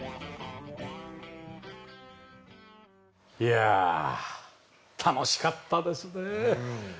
いやあ楽しかったですね。